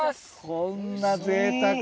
こんなぜいたくな。